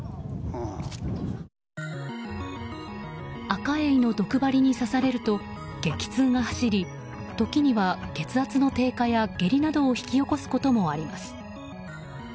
アカエイの毒針に刺されると激痛が走り時には血圧の低下や下痢などを引き起こすこともあります。